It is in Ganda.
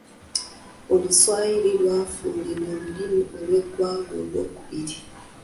Oluswayiri lwafuulibwa olulimi lw’eggwanga olwokubiri.